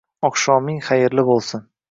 Oqshoming xayrli bo'lsin!